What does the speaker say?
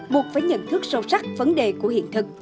buộc phải nhận thức sâu sắc vấn đề của hiện thực